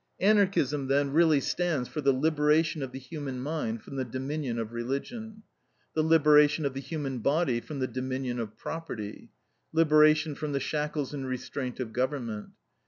Anarchism, then, really stands for the liberation of the human mind from the dominion of religion; the liberation of the human body from the dominion of property; liberation from the shackles and restraint of government.